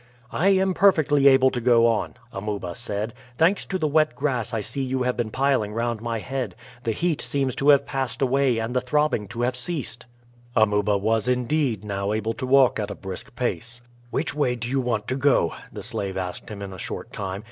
"I am perfectly able to go on," Amuba said; "thanks to the wet grass I see you have been piling round my head, the heat seems to have passed away and the throbbing to have ceased." Amuba was indeed now able to walk at a brisk pace. "Which way do you want to go?" the slave asked him in a short time.